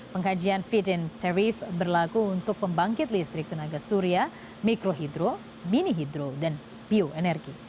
pengkajian fit in tarif berlaku untuk pembangkit listrik tenaga surya mikro hidro mini hidro dan bio energi